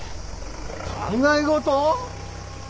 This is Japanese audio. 考え事？